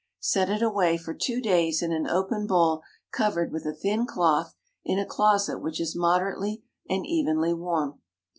Set it away for two days in an open bowl covered with a thin cloth, in a closet which is moderately and evenly warm.